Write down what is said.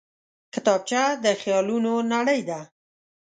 کتابچه د خیالونو نړۍ ده